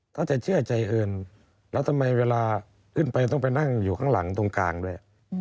ถ้าจะเชื่อใจอื่นแล้วทำไมเวลาขึ้นไปต้องไปนั่งอยู่ข้างหลังตรงกลางด้วย